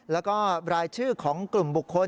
แล้วก็รายชื่อของกลุ่มบุคคล